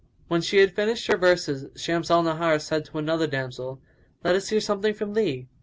When she had finished her verses, Shams al Nahar said to another damsel, "Let us hear something from thee!"